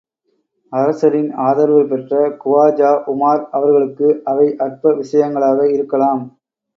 அரசரின் ஆதரவுபெற்ற குவாஜா உமார் அவர்களுக்கு அவை அற்ப விஷயங்களாக இருக்கலாம்.